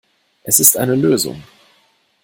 Es ist eine Lösung.